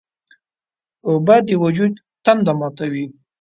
اوبه د وجود تنده ماتوي.